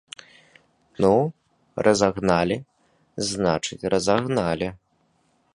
Ну разагналі, значыць разагналі.